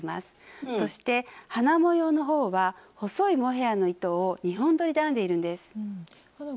そして花模様の方は細いモヘアの糸を２本どりで編んでいるんです。